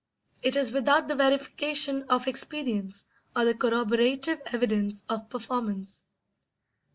It is without the verification of experience or the corroborative evidence of performance.